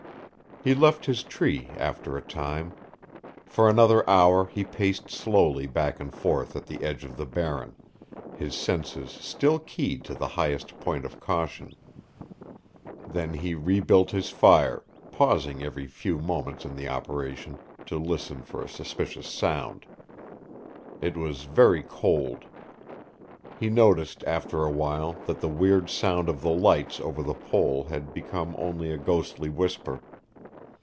He left his tree after a time. For another hour he paced slowly back and forth at the edge of the Barren, his senses still keyed to the highest point of caution. Then he rebuilt his fire, pausing every few moments in the operation to listen for a suspicious sound. It was very cold. He noticed, after a little, that the weird sound of the lights over the Pole had become only a ghostly whisper.